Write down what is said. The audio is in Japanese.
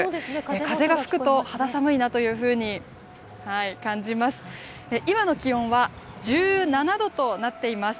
風が吹くと、肌寒いなというふうに感じます。